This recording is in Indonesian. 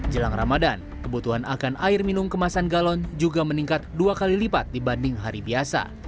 jelang ramadan kebutuhan akan air minum kemasan galon juga meningkat dua kali lipat dibanding hari biasa